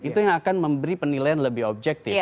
itu yang akan memberi penilaian lebih objektif